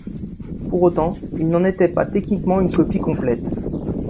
Pour autant, il n'en était pas techniquement une copie complète.